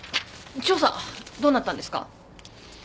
調査どうなったんですか？